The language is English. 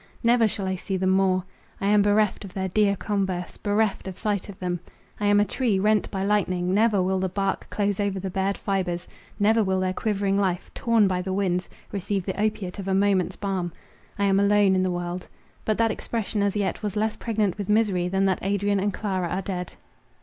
Never shall I see them more. I am bereft of their dear converse—bereft of sight of them. I am a tree rent by lightning; never will the bark close over the bared fibres—never will their quivering life, torn by the winds, receive the opiate of a moment's balm. I am alone in the world— but that expression as yet was less pregnant with misery, than that Adrian and Clara are dead.